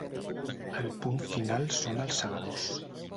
El punt final són Els segadors.